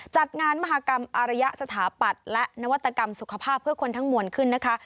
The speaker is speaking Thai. จัดงานมหากรรมอารยะสถาปัตย์และนวัตกรรมสุขภาพเพื่อคนทั้งมวลขึ้นนะคะ